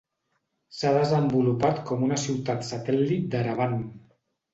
S'ha desenvolupat com una ciutat satèl·lit d'Erevan.